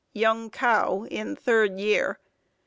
| |(Young cow, in third year.